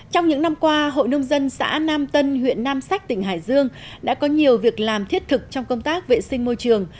trong những năm qua hội nông dân xã nam tân huyện nam sách tỉnh hải dương đã có nhiều việc làm thiết thực trong công tác vệ sinh môi trường